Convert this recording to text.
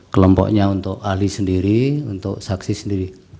kelompoknya untuk ahli sendiri untuk saksi sendiri